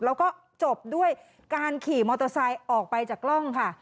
แล้วก็จบด้วยการขี่มอเตอร์ไซค์ออกไปจากกล้องค่ะ